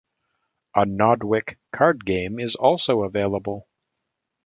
A "Nodwick" card game is also available.